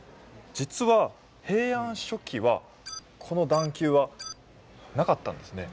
実は平安初期はこの段丘はなかったんですね。